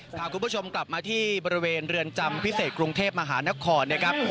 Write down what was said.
พาคุณผู้ชมกลับมาที่บริเวณเรือนจำพิเศษกรุงเทพมหานครนะครับ